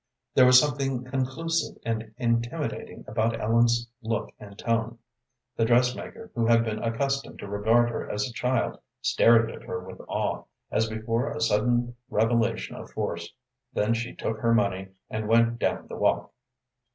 There was something conclusive and intimidating about Ellen's look and tone. The dressmaker, who had been accustomed to regard her as a child, stared at her with awe, as before a sudden revelation of force. Then she took her money, and went down the walk.